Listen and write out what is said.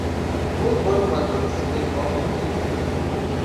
RoadRunner Records then dropped Anyone.